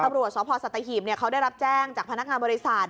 ตำรวจสพสัตหีบเขาได้รับแจ้งจากพนักงานบริษัท